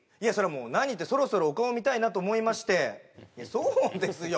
もう何ってそろそろお顔見たいなと思いましてそうですよ